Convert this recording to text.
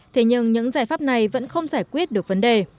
thế nhưng những giải pháp này vẫn không giải quyết được vấn đề